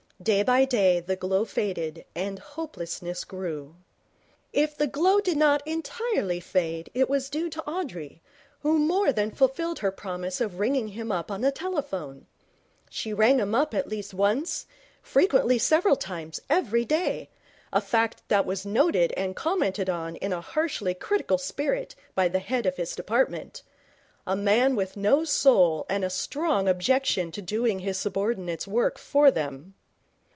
Day by day the glow faded and hopelessness grew. If the glow did not entirely fade it was due to Audrey, who more than fulfilled her promise of ringing him up on the telephone. She rang him up at least once, frequently several times, every day, a fact which was noted and commented upon in a harshly critical spirit by the head of his department, a man with no soul and a strong objection to doing his subordinates' work for them.